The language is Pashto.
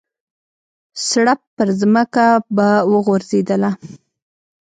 سړپ پرځمکه به ور وغورځېدله.